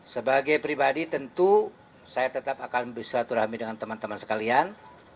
sebagai pribadi tentu saya tetap akan bersilaturahmi dengan teman teman sekalian